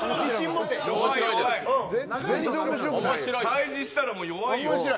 対じしたら弱いよ。